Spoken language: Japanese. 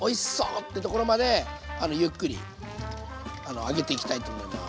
ってところまでゆっくり揚げていきたいと思います。